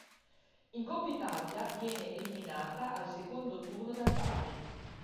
In Coppa Italia viene eliminata al secondo turno dal Bari.